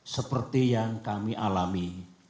seperti yang kami alami